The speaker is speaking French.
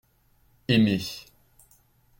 Aimez.